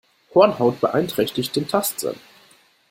Hornhaut beeinträchtigt den Tastsinn.